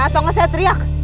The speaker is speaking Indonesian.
atau gak usah teriak